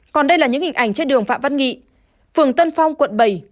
còn đây là những hình ảnh trên đường phạm văn nghị phường tân phong quận bảy